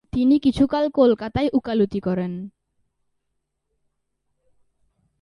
তিনি কিছুকাল কলকাতায় উকালতি করেন।